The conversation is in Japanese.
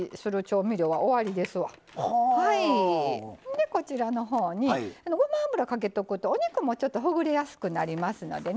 でこちらのほうにごま油かけとくとお肉もちょっとほぐれやすくなりますのでね。